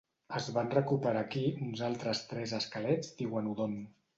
Es van recuperar aquí uns altres tres esquelets d'iguanodont.